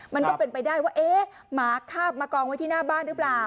มันก็เป็นไปได้ว่าเอ๊ะหมาคาบมากองไว้ที่หน้าบ้านหรือเปล่า